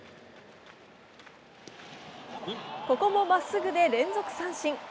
ここもまっすぐで連続三振。